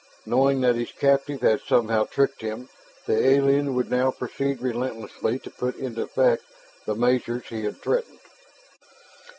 Knowing that his captive had somehow tricked him, the alien would now proceed relentlessly to put into effect the measures he had threatened.